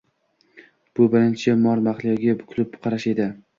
Bu birinchi bor Mahliyoga kulib qarashi edi